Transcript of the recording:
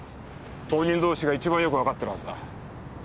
当人同士が一番よくわかってるはずだ。